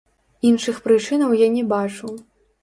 Іншых прычынаў я не бачу.